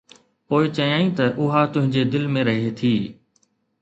پوءِ چيائين ته اها تنهنجي دل ۾ رهي ٿي.